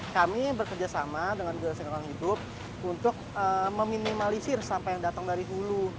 kami bekerja sama dengan dinas tinggongan hidup untuk meminimalisir sampah yang datang dari hulu